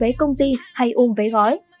về công ty hay ôm vé gói